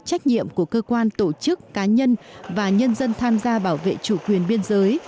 trách nhiệm của cơ quan tổ chức cá nhân và nhân dân tham gia bảo vệ chủ quyền biên giới